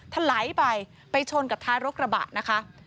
ถลายไปไปชนกับท้ายรกระบะนะคะ